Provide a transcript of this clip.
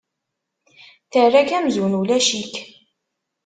Terra-k amzun ulac-ik.